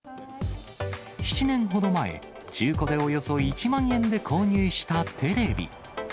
７年ほど前、中古でおよそ１万円で購入したテレビ。